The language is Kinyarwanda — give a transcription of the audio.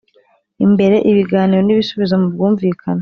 imbere ibiganiro n ibisubizo mu bwumvikane